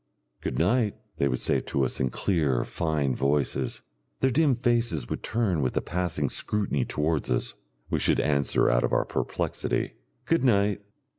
"Good night!" they would say to us in clear, fine voices. Their dim faces would turn with a passing scrutiny towards us. We should answer out of our perplexity: "Good night!"